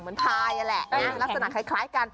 เหมือนพายน่ะแหละลักษณะคล้ายกัน